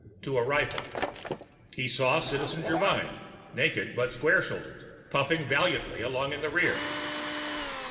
_ to a rifle; he saw Citizen Germyn, naked but square shouldered, puffing valiantly along in the rear.